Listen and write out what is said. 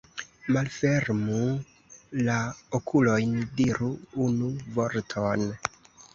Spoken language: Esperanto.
Malfermu la okulojn, diru unu vorton!